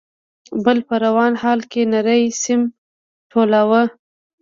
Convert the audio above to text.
، بل په روان حال کې نری سيم ټولاوه.